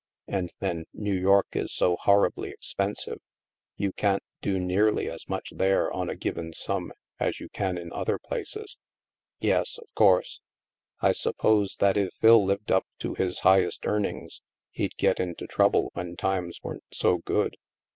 And then. New York is so horribly expensive. You can't do nearly as much there, on a given sum, as you can in other places." " Yes, of course. I suppose that if Phil lived up to his highest earnings, he'd get into trouble when times weren't so good.